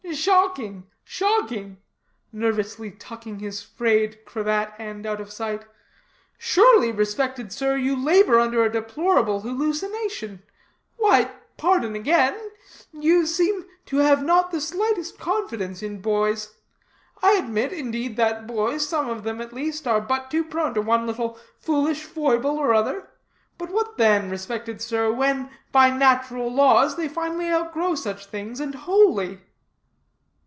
"Shocking, shocking!" nervously tucking his frayed cravat end out of sight. "Surely, respected sir, you labor under a deplorable hallucination. Why, pardon again, you seem to have not the slightest confidence in boys, I admit, indeed, that boys, some of them at least, are but too prone to one little foolish foible or other. But, what then, respected sir, when, by natural laws, they finally outgrow such things, and wholly?"